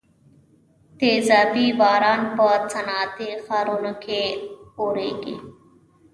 تیزابي باران په صنعتي ښارونو کې اوریږي.